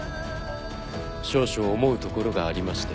少々思うところがありまして。